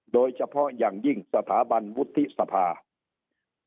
โดยเฉพาะอย่างยิ่งสถาบันวุฒิสภา